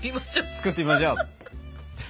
作ってみましょう！